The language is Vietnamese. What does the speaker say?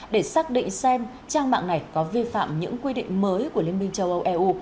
để xác định xem trang mạng này có vi phạm những quy định mới của liên minh châu âu eu